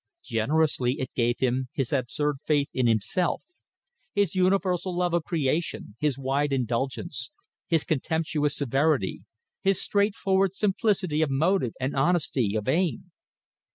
Generously it gave him his absurd faith in himself, his universal love of creation, his wide indulgence, his contemptuous severity, his straightforward simplicity of motive and honesty of aim.